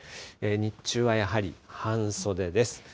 日中はやはり半袖です。